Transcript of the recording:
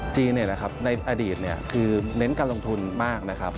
ในอดีตคือเน้นการลงทุนมากนะครับ